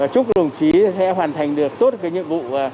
chúc đồng chí sẽ hoàn thành được tốt cái nhiệm vụ